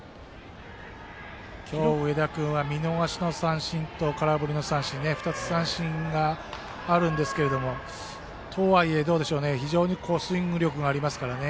今日、上田君は見逃しの三振と空振り三振で２つ、三振があるんですけどもとはいえ、非常にスイング力がありますから。